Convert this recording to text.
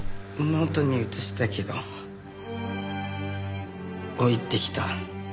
ノートに写したけど置いてきた。